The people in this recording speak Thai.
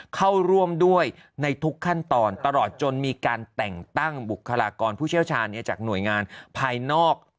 เข้าร่วมด้วยในทุกขั้นตอนตลอดจนมีการแต่งตั้งบุคลากรผู้เชี่ยวชาญจากหน่วยงานภายนอก